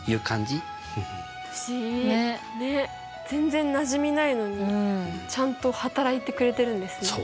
全然なじみないのにちゃんと働いてくれてるんですね。